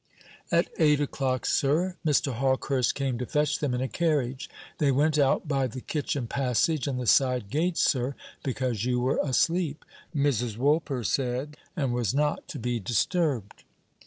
"At eight o'clock, sir. Mr. Hawkehurst came to fetch them in a carriage. They went out by the kitchen passage and the side gate, sir, because you were asleep, Mrs. Woolper said, and was not to be disturbed."